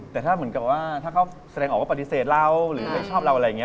แต่ถ้าเหมือนกับว่าถ้าเขาแสดงออกว่าปฏิเสธเราหรือไม่ชอบเราอะไรอย่างนี้